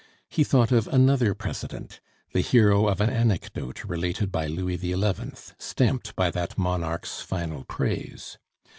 He thought of another president, the hero of an anecdote related by Louis XI., stamped by that monarch's final praise.